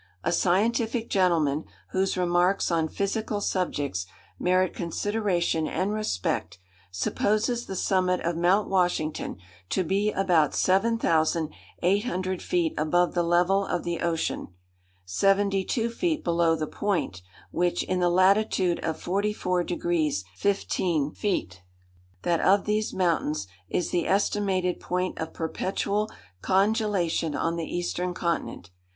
A scientific gentleman, whose remarks on physical subjects merit consideration and respect, supposes the summit of Mount Washington to be about seven thousand eight hundred feet above the level of the ocean; seventy two feet below the point, which, in the latitude of 44° 15´ (that of these mountains) is the estimated point of perpetual congelation on the eastern continent.